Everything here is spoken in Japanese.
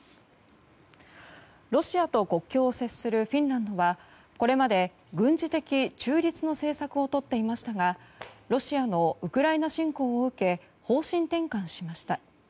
ロシアと国境を接するフィンランドはこれまで軍事的中立の政策をとっていましたがロシアのウクライナ侵攻を受け方針転換しました。